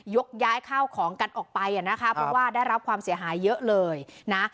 ยกย้ายข้าวของกันออกไปอ่ะนะคะเพราะว่าได้รับความเสียหายเยอะเลยนะ